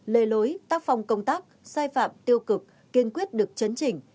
lề lối tác phong công tác sai phạm tiêu cực kiên quyết được chấn chỉnh